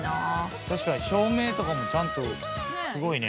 「確かに照明とかもちゃんとすごいね」